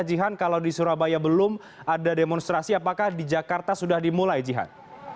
jihan kalau di surabaya belum ada demonstrasi apakah di jakarta sudah dimulai jihan